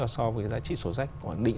so với giá trị sổ sách